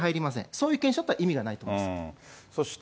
そういう研修は意味がないと思います。